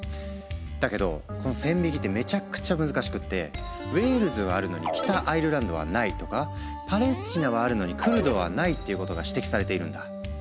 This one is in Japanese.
だけどこの線引きってめちゃくちゃ難しくってウェールズはあるのに北アイルランドはないとかパレスチナはあるのにクルドはないっていうことが指摘されているんだ。